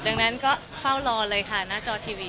ดังนั้นก็เฝ้ารอเลยค่ะหน้าจอทีวี